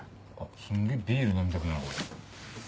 すげぇビール飲みたくなるこれ。